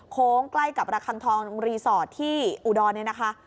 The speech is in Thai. โค้งใกล้กับราคันทองรีสอร์ตที่อุดรนี่นะคะ